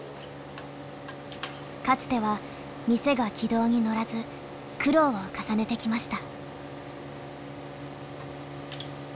かつては店が軌道に乗らず苦労を重ねてきました。